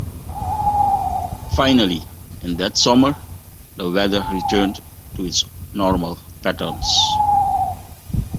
Finally, in that summer, the weather returned to its normal patterns.